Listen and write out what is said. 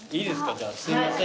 じゃあすいません。